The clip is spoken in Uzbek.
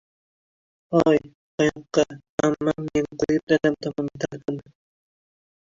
Hoy, qayoqqa? - Ammam meni qo‘yib, dadam tomonga talpindi: